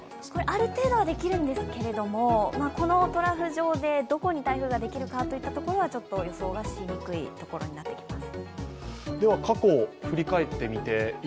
ある程度はできるんですけれどもこのトラフ上でどこに台風ができるかは予想がつきにくいところになってきます。